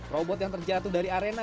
robot yang terjatuh dari arena